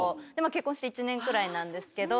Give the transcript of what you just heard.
結婚して１年くらいなんですけど。